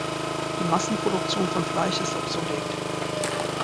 Die Massenproduktion von Fleisch ist obsolet.